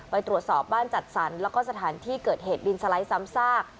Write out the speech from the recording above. ไปตรวจสอบบ้านจัดสรรแล้วก็สถานที่เกิดเหตุดินสไลด์ซ้ำซาก